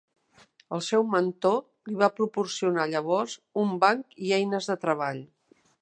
El seu mentor li va proporcionar llavors un banc i eines de treball.